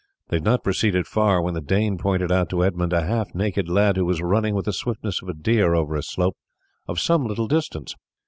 They had not proceeded far when the Dane pointed out to Edmund a half naked lad who was running with the swiftness of a deer over a slope of some little distance.